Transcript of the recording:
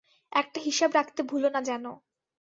একটা হিসাব রাখতে ভুলো না যেন।